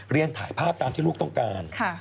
เรียนถ่ายภาพตามที่ลูกต้องการ